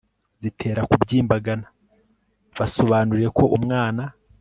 zitera kubyimbagana. basobanurire ko umwana